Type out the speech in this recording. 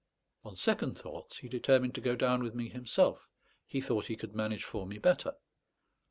On second thoughts he determined to go down with me himself; he thought he could manage for me better.